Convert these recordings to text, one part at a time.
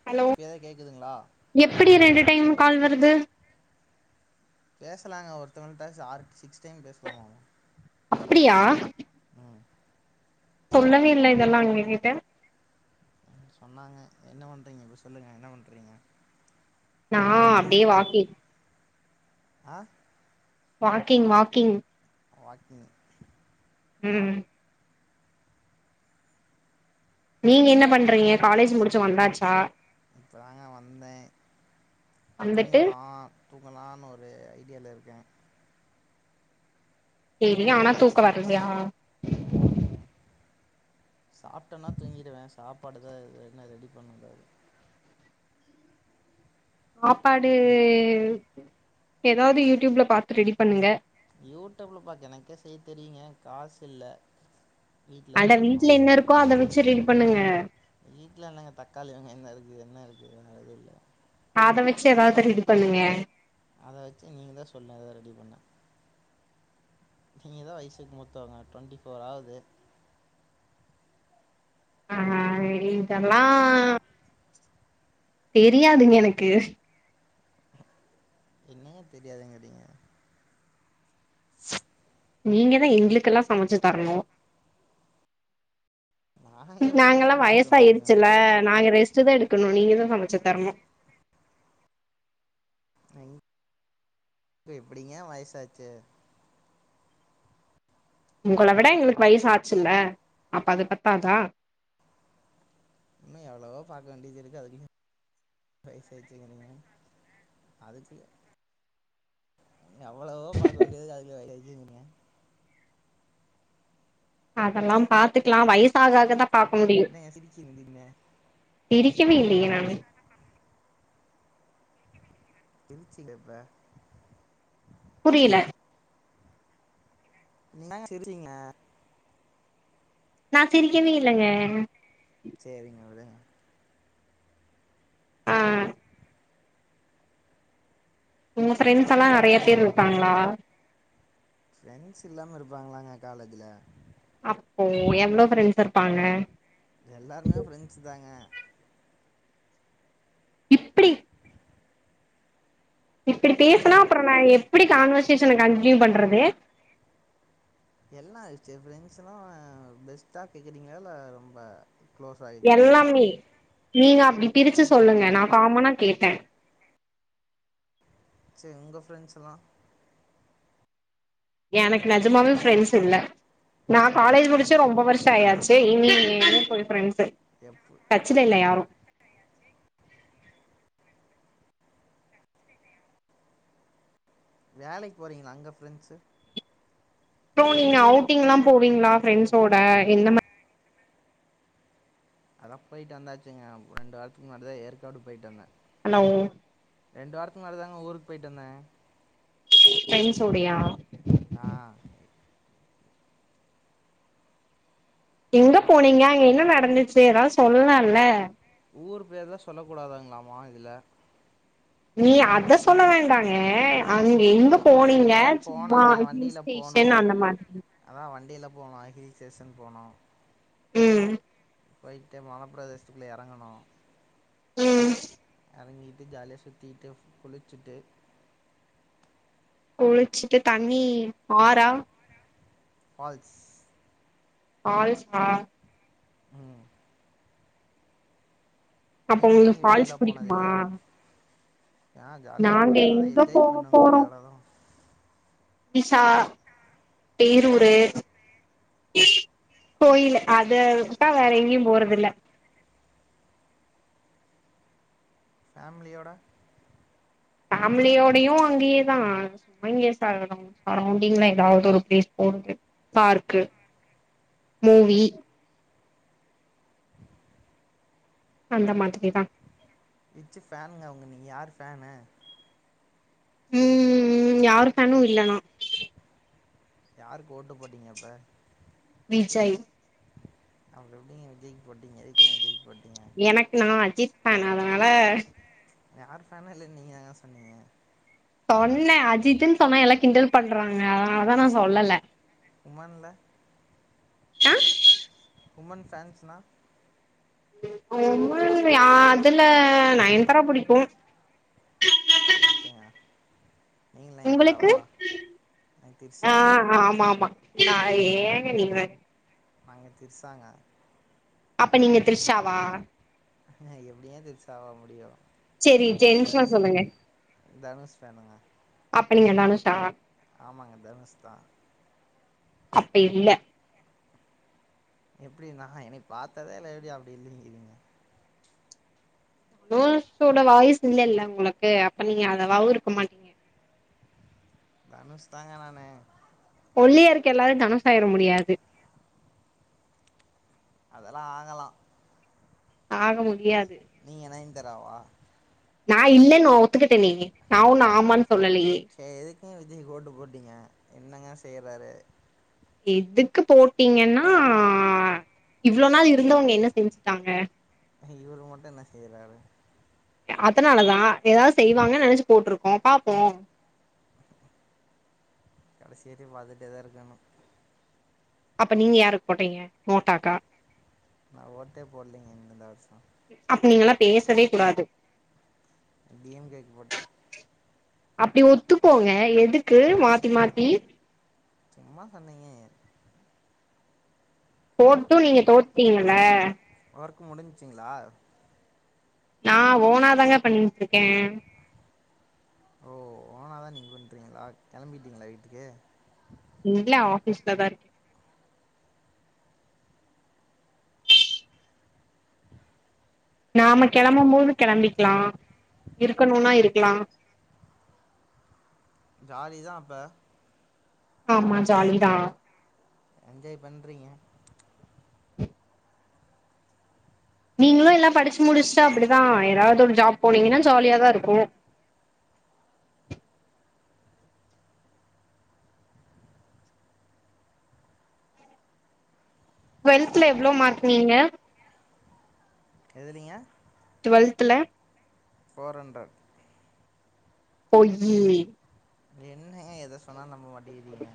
hello இப்ப ஏதாவுது கேக்குதுங்களா எப்டி ரெண்டு டைமு கால் வருது பேசலாங்க ஒருத்தவங்கள்ட ச ஆறு சிக்ஸ் டைம் பேசலாமமா அப்டியா ம் சொல்லவே இல்ல இதல்லா எங்ககிட்ட ம் சொன்னாங்க என்ன பண்றீங்க இப்ப சொல்லுங்க என்ன பண்றீங்க நா அப்டியே வாக்கிங் ஆ வாக்கிங் வாக்கிங் வாக்கிங் ம் நீங்க என்ன பண்றீங்க காலேஜ் முடிச்சு வந்தாச்சா இப்போதாங்க வந்தே வந்துட்டு தூங்கலா தூங்கலானு ஒரு ஐடியால இருக்கே செரி ஆனா தூக்க வர்லையா ம் சாப்ட்டனா தூங்கிடுவே சாப்பாடு தா இத இன்னோ ரெடி பண்ணலா இது சாப்பாடு ஏதாவுது யூடியூப்ல பாத்து ரெடி பண்ணுங்க யூடியூப்ல பாத்து எனக்கே செய்ய தெரியுங்க காசு இல்ல அட வீட்டுல என்ன இருக்கோ அத வச்சு ரீல் பண்ணுங்க வீட்ல என்னங்க தக்காளி வெங்காயதா இருக்கு என்ன இருக்கு வேற எது இல்ல அத வச்சு ஏதாவுது ரெடி பண்ணுங்க அத வச்சு நீங்க தா சொல்லனு ஏதாவுது ரெடி பண்ண நீங்க தா வயசுக்கு மூத்தவங்க டுவெண்ட்டி ஃபோர் ஆவுது ஆ இதெல்லா தெரியாதுங்க எனக்கு என்ன தெரியாதுங்கிறிங்க [inaudible] நீங்கதா எங்களுக்கெல்லா சமைச்சு தரணு நான் எப்டிங்க நாங்கெல்லா சமைச்சு தர வயசு முடியும் ஆயிடுச்சுல்ல நாங்க ரெஸ்ட்டு தா எடுக்கணு நீங்கதா சமைச்சு தரணு [inaudible] எப்டிங்க வயசாச்சு உங்களவிட எங்களுக்கு வயசு ஆச்சுல்ல அப்ப அது பத்தாதா இன்னு எவ்ளவோ பாக்க வேண்டியதுருக்கு அதுக்குள்ளயு வயசாச்சுகிறிங்க அதுக்கு எவ்ளவோ பாக்க வேண்டியது இருக்கு அதுக்குள்ள வயசாச்சுகிறிங்க அதெல்லா பாத்துக்கலா வயசாகாக தா பாக்க முடியு என்னங்க சிரிச்சீங்க திடீர்னு சிரிக்கவே இல்லையே நானு சிருச்சில இப்ப புரியில என்னாங்க சிரிச்சீங்க நா சிரிக்கவே இல்லங்க செரிங்க விடுங்க ஆ உங்க ஃப்ரெண்ட்ஸ் எல்லா நெறைய பேர் இருக்காங்ளா ஃப்ரெண்ட்ஸ் இல்லாம இருப்பாங்களாங்க காலேஜ்ல அப்போ எவ்ளோ ஃப்ரெண்ட்ஸ் இருப்பாங்க எல்லாருமே ஃப்ரெண்ட்ஸ் தாங்க இப்டி [inaudible] இப்டி பேசனா புரியல அப்றோ நா எப்டி கான்வர்சேஷன கன்டினியூ பண்றது எல்லா ஆச்சு ப்ரெண்ட்ஸ்லா பெஸ்ட்டா கேக்கடிங்களா இல்ல ரொம்ப க்ளோஸா கேக்குறீங்களா எல்லாமே நீங்க அப்டி பிரிச்சு எல்லாமே சொல்லுங்க நா காமனா கேட்ட சே உங்க ஃப்ரெண்ட்ஸெல்லா எனக்கு நெஜமாவே ஃப்ரெண்ட்ஸ் இல்ல நா காலேஜ் முடிச்சு ரொம்ப வருஷ ஆயாச்சு இனி [inaudible] போய் ஃப்ரெண்ட்ஸ் எப்பு டச்ல இல்ல யாரு வேலைக்கு போறீங்களே அங்க ஃப்ரெண்ட்ஸு ப்ரோ நீங்க அவுட்டிங்ல்லா போவீங்களா ஃப்ரெண்ட்ஸோட என்ன மா அதா போயிட்டு வந்தாச்சுங்க ரெண்டு வாரத்துக்கு முன்னாடி தா ஏற்காடு போய்ட்டு வந்த ஹலோவ் ரெண்டு வாரத்துக்கு முன்னாடி தாங்க ஊருக்கு போயிட்டு வந்த ஃப்ரெண்ட்ஸோடையா ஆ எங்க போனீங்க அங்க என்ன நடந்துச்சு எதா சொல்லால்ல ஊர் பேர்தா சொல்லக்கூடாதாங்களாமா இதுல நீ அத சொல்ல வேண்டாங்க அங்க எங்க போனீங்க ஏ சும்மா போனோங்க ஹில் ஸ்டேஷன் அந்த மாதிரி அதா வண்டில போனோ ஹில் ஸ்டேஷன் போனோ ம் போய்ட்டு மலப்பிரதேசத்துக்குள்ள எறங்கணோ ம் எறங்கிட்டு ஜாலியா சுத்தீட்டு குளிச்சிட்டு குளிச்சிட்டு தண்ணி ஆறா ஃபால்ஸ் ஃபால்ஸா ம் அப்ப நீங்க உங்களுக்கு எங்கயு வெளிலா ஃபால்ஸ் போனது புடிக்குமா இல்லையா நா ஜாலியா இருப்ப நாங்க அதத எங்க என்ஜாய் போக பண்ணுங்க ஒரு தட தா விசா பேரூரு கோயிலு அத விட்டா வேற எங்கேயு போறதில்ல ஃபேமிலியோட ஃபேமிலியோடயு அங்கேயே தா ஆங்லேஸ்கார ஒருத்தவங்க சரௌண்டிங்லா எதாவது ஒரு பிளேஸ் போறது பார்க்கு மூவி அந்த மாதிரி தா விச்சு ஃபேனுங்க அவுங்க நீங்க யார் ஃபேனு ம் ம் யாரு ஃபேனு இல்லனா யாருக்கு ஓட்டு போட்டீங்க அப்ப விஜய் அப்றோ எப்டிங்க விஜய்க்கு போட்டீங்க எதுக்குங்க விஜய்க்கு போட்டீங்க எனக்கு நா அஜித் ஃபேன் அதனால யார் ஃபேனு இல்லனு நீங்க தாங்க சொன்னீங்க சொன்ன அஜித்ன்னு சொன்னா எல்லா கிண்டல் பண்றாங்க அதனாலதா நா சொல்லல உமான்ல ஆ உமன் ஃபேன்ஸ்னா உமன்ல ஆ அதுல நய்ன்தாரா புடிக்கூ அப்டியா உங்களுக்கு நாங்கள் ஆ திரிஷா ஆமா ஆமா ஆ ஏங்க நீங் வேற நாங்க திரிசாங்க அப்ப நீங்க த்ரிஷாவா நா எப்டிங்க த்ரிஷாவ முடியூ செரி நாங்க ஜென்ஸா தனுஷ் சொல்லுங்க தனுஷ் ஃபேனுங்க அப்ப நீங்க என்ன தனுஷா ஆமாங்க தனுஷ் தா அப்பி இல்ல எப்டி நா என்னைய பாத்ததே இல்ல எப்டி அப்டி இல்லிங்கிறீங்க தனுஷோட வாய்ஸ் இல்லல்ல உங்களுக்கு அப்ப நீங்க அதவாவு இருக்க மாட்டீங்க தனுஷ் தாங்க நானு ஒல்லியா இருக்க எல்லாரு தனுஷ் ஆயிர முடியாது அதெல்லா ஆகலா ஆக முடியாது நீங்க நய்ந்தாராவா நா இல்லேன் ஒத்துக்கிட்டேனே நா ஒன்னு ஆமான் சொல்லலேயே சே எதுக்குங்க விஜய்க்கு ஓட்டு போட்டீங்க என்னங்க செய்றாரு எதுக்கு போட்டீங்கன்னா இவ்ளோ நாள் இருந்தவுங்க என்ன செஞ்சுட்டாங்க இவரு மட்டு என்ன செய்றாரு அதனாலதா எதாவ்து செய்வாங்கனு நெனைச்சு போட்ருக்கோ பாப்போ கடைசி வரையு பாத்துட்டே தா இருக்கணு அப்ப நீங்க யாருக்கு போட்டிங்க நோட்டாக்கா நான் ஓட்டே போடீலீங்க இந்தன வருஷோ அப்ப நீங்கல்லா பேசவே கூடாது டி எம் கே கு போட்டே அப்டி ஒத்துக்கோங்க எதுக்கு மாத்தி மாத்தி சும்மா சொன்னேங்கே போட்டு நீங்க தோத்டீங்கல ஒர்க் முடிஞ்ச்சிங்களா நா ஓனா தாங்க பண்ணின்ட்ருக்கே ஓ ஓனாதா நீங்க பண்றீங்ளா கெளம்பிட்டீங்களா வீட்டுக்கு இல்ல ஆஃபீஸ்ல தா இருக்கே நாம கெளம்பும் போது கெளம்பிக்லா இருக்கணுனா இருக்லா ஜாலி தா அப்ப ஆமா ஜாலிதா என்ஜாய் பண்றீங்க நீங்களு எல்லா படிச்சு முடிச்ட்டா அப்டி தா ஏதாவ்து ஒரு ஜாப் போனீங்கனா ஜாலியா தா இருக்கூ டுவெல்த்ல எவ்ளோ மார்க் நீங்க எதுலிங்க டுவெல்த்துல ஃபோர் ஹண்ட்ரட் பொய்யி என்னங்கே எத சொன்னாலு நம்ம மாட்டிகிறிங்க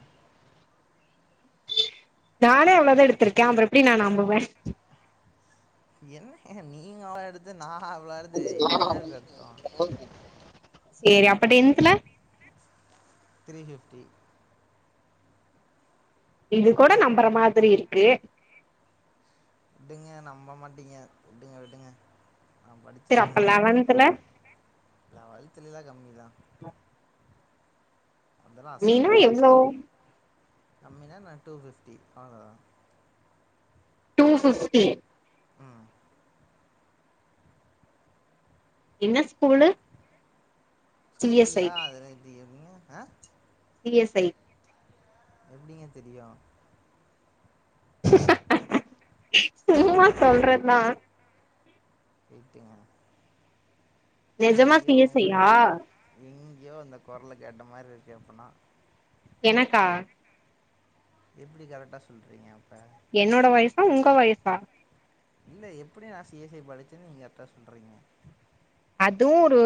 நானே அவ்ளது எடுத்திருக்கே அப்றோ எப்டி நா நம்புவே என்ன நீங்க அவ்ளாயெடுது நான் அவ்ளாயெடுது என்னங்க அது அர்த்தோ ஓகே சரி அப்ப டென்த்துல த்ரீஃபிஃப்டி இது கூட நம்புற மாதிரி இருக்கு விடுங்க நம்ப மாட்டீங்க விடுங்க விடுங்க நான் படிச்சி சரி அப்ப எழுதனே எனக்கு தா லெவன்த்ல லெவல்துலெல்லா கம்மிதா அதல்லா அசால்ட்டா கம்மினா எவ்ளோ வுட்டுடே கம்மினா நா டூ ஃபிஃப்டி அவ்ளதா டூ பிஃப்டி ம் என்ன ஸ்கூலு சி எஸ் ஐ ஸ்கூல்லா அதல எப்டி கேப்பீங்க ஆ சி எஸ் ஐ எப்டிங்க தெரியு சும்மா சொல்றதா ரைட்டுங்க நெஜமா சி எங்யோ எஸ் ஐ உங்கடே யா எங்யோ அந்த கொரல கேட்ட மாரி இருக்கு அப்னா எனக்கா எப்டி கரட்டா சொல்றீங்க அப்ப என்னோட வய்சா உங்க வய்சா இல்ல எப்டி நா சி எஸ் ஐ படிச்சேன்னு நீங்க கர்ட்டா சொல்றீங்க அதுவு ஒரு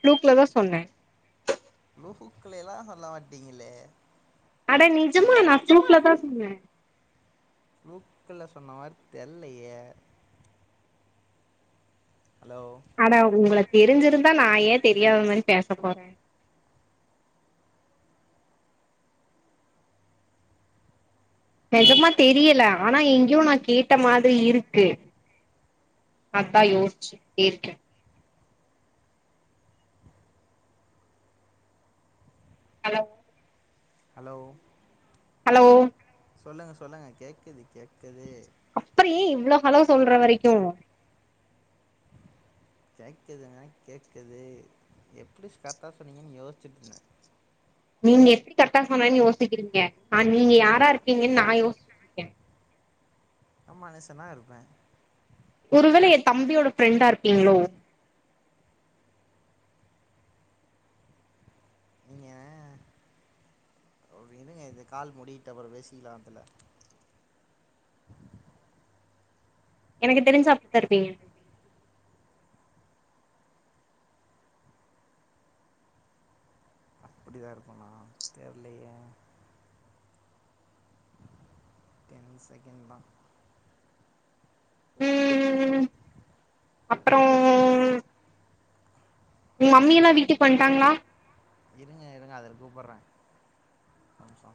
ப்ளூக்ல தா சொன்னே ப்ளூக்லா எல்லா சொல்ல மாட்டீங்களே அட நிஜமா அட நா நிஜமா ப்லூக்ல தா சொன்னே ஃப்லூக்ல சொன்னமாரி தெர்லையே ஹலோ ஆனா உங்கள தெரிஞ்சிருந்தா நா ஏ தெரியாத மாரி பேச போறே நெஜமா தெரியல ஆனா எங்யோ நா கேட்ட மாதிரி இருக்கு அத்தா யோஸ்ச்சிட்டே இருக்க அலோ ஹலோ ஹலோ சொல்லுங்க சொல்லுங்க கேக்குது கேக்குது அப்பறோ ஏ இவ்ளோ ஹலோ சொல்ற வரைக்கு கேக்குதுங்க கேக்குது எப்டி ஸ்கர்ட்டா சொன்னீங்கன்னு யோஸ்ச்சுட்டு இருந்த நீங்க எப்டி கரட்டா சொன்னேனு யோசிக்கிறீங்க ஆ நீங்க யாரா இருக்கீங்கன்னு நா யோ அம்மா நெச தா இருப்பே ஒருவேள என் தம்பியோட ஃப்ரெண்டா இருப்பீங்ளோ நீங்க ஓ விடுங்க இது கால் முடியட்டு அப்புற பேசிக்கலா அதுல எனக்கு தெரிஞ்சு அப் தா இருப்பீங்க அப்டியா இருப்பனா தெர்லையே டென் செகண்ட் தா உம் அப்றோ உங் மம்மி எல்லா வீட்டுக்கு வன்டாங்ளா இருங்க இருங்க அதில கூப்பற்றே‌ ஓர் நிம்ஷோ